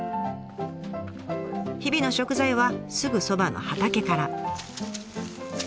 日々の食材はすぐそばの畑から。